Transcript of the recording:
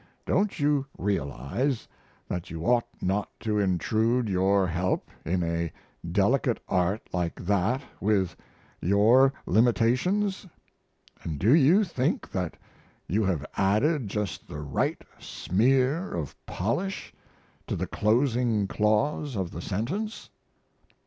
Don't you realize that you ought not to intrude your help in a delicate art like that with your limitations? And do you think that you have added just the right smear of polish to the closing clause of the sentence?